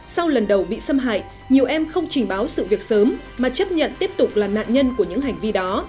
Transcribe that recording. sau lần đầu bị xâm hại nhiều em không trình báo sự việc sớm mà chấp nhận tiếp tục là nạn nhân của những hành vi đó